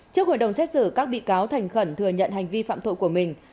trước hội đồng xét xử các bị cáo thành khẩn thừa nhận hành vi phạm tội của mình